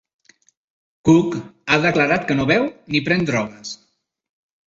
Cook ha declarat que no beu ni pren drogues.